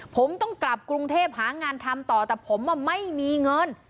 ผมต้องกลับกรุงเทพหางานทำต่อแต่ผมไม่มีเงิน